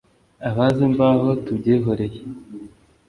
abazi imvaho tubyihoreye